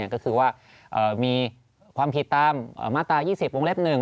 ก็คือว่ามีความผิดตามมาตรายี่สิบวงเล็บหนึ่ง